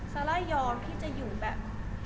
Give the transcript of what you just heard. ซาร่ายอมที่จะอยู่แบบ